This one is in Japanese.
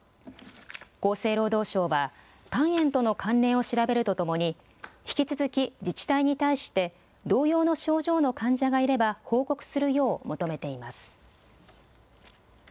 厚生労働省は肝炎との関連を調べるとともに引き続き自治体に対して同様の症状の患者がいれば報告するよう求めています。